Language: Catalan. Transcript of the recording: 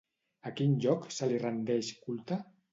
A quin lloc se li rendeix culte?